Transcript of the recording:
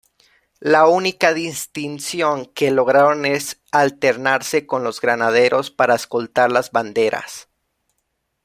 La única distinción que lograron es alternarse con los granaderos para escoltar las banderas.